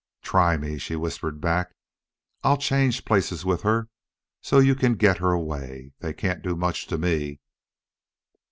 "Try me," she whispered back. "I'll change places with her so you can get her away. They can't do much to me."